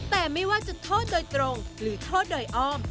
แต่ไม่ว่าจะโทษโดยตรงหรือโทษโดยอ้อม